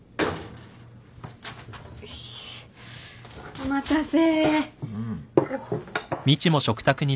お待たせ。